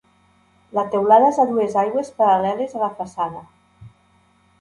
La teulada és a dues aigües paral·leles a la façana.